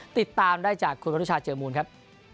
ติดตามได้จากคุณมนุชาเจอมูลครับ